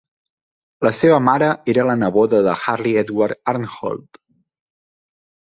La seva mare era la neboda de Harry Edward Arnhold.